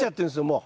もう。